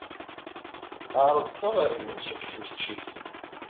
Ɛerḍet-aɣ ɣer yimensi deg tneččit.